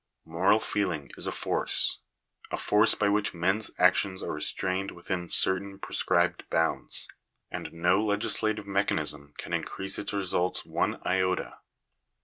Moral feeling is a \ force — a force by which men's actions are restrained within certain prescribed bounds; and no legislative mechanism can increase its results one iota.